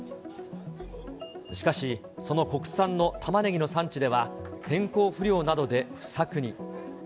しかし、その国産のタマネギの産地では、天候不良などで不作に。